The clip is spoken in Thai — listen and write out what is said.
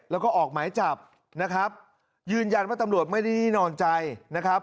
แล้วก็ออกหมายจับนะครับยืนยันว่าตำรวจไม่ได้นิ่งนอนใจนะครับ